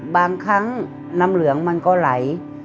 บางครั้งน้ำเหลืองมันก็ไหล